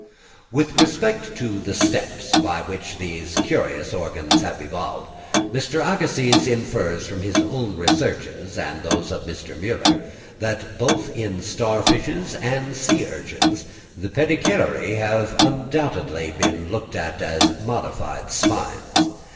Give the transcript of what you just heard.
With respect to the steps by which these curious organs have been evolved, Mr. Agassiz infers from his own researches and those of Mr. Müller, that both in star fishes and sea urchins the pedicellariæ must undoubtedly be looked at as modified spines.